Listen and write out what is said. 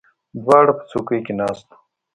دواړه په څوکۍ کې ناست یو.